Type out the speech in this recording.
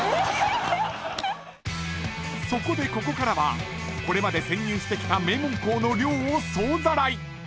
［そこでここからはこれまで潜入してきた名門校の寮を総ざらい］